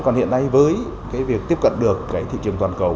còn hiện nay với cái việc tiếp cận được cái thị trường toàn cầu